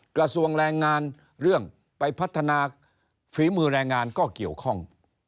กระทรวงแรงงานเรื่องไปพัฒนาฝีมือแรงงานก็เกี่ยวข้อง